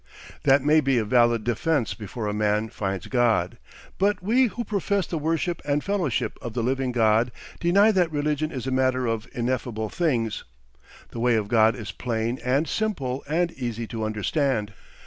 That may be a valid defence before a man finds God. But we who profess the worship and fellowship of the living God deny that religion is a matter of ineffable things. The way of God is plain and simple and easy to understand.